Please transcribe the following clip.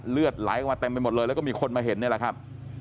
เลือดไหลออกมาเต็มไปหมดเลยแล้วก็มีคนมาเห็นนี่แหละครับ